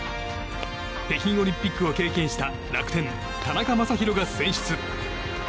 北京オリンピックを経験した楽天・田中将大が選出。